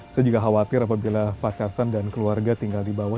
saya juga khawatir apabila pak carsan dan keluarga tinggal di bawah